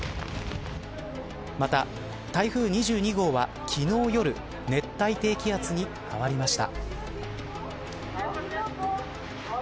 また台風２２号は昨日夜熱帯低気圧に変わりました。